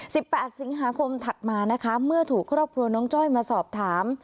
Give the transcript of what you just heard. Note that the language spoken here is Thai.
แปดสิงหาคมถัดมานะคะเมื่อถูกครอบครัวน้องจ้อยมาสอบถาม